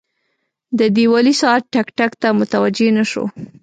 د دیوالي ساعت ټک، ټک ته متوجه نه شو.